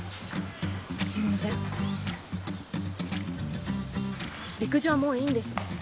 すみません、陸上はもういいんです。